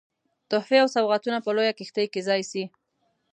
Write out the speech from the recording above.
تحفې او سوغاتونه په لویه کښتۍ کې ځای سي.